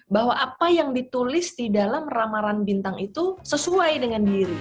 bahwa apa yang ditulis di dalam ramaran bintang itu sesuai dengan diri